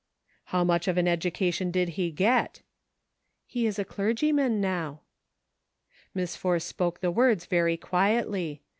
" How much of an education did he get ?"" He is a clergyman now." Miss Force spoke the words very quietly.